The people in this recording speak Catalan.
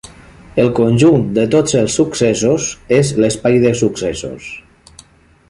El conjunt de tots els successos és l'Espai de successos.